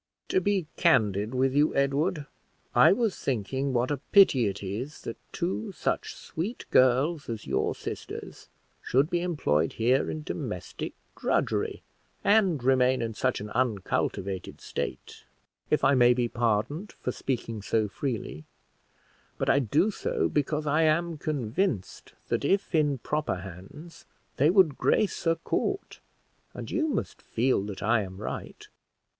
"To be candid with you, Edward, I was thinking what a pity it is that two such sweet girls as your sisters should be employed here in domestic drudgery, and remain in such an uncultivated state if I may be pardoned for speaking so freely but I do so because I am convinced that, if in proper hands, they would grace a court; and you must feel that I am right."